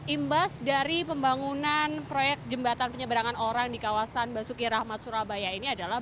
imbas dari pembangunan proyek jembatan penyeberangan orang di kawasan basuki rahmat surabaya ini adalah